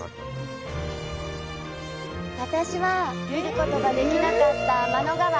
私は見ることができなかった天の川。